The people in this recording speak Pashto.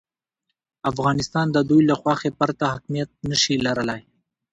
افغانستان د دوی له خوښې پرته حاکمیت نه شي لرلای.